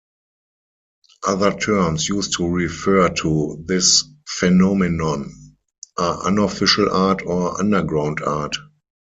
Other terms used to refer to this phenomenon are "unofficial art" or "underground art.